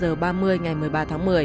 anh trần mạnh đạt